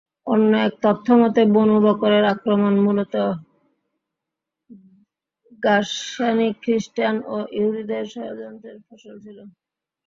অন্য এক তথ্যমতে বনু বকরের আক্রমণ মূলত গাসসানী খ্রিস্টান ও ইহুদীদের ষড়যন্ত্রের ফসল ছিল।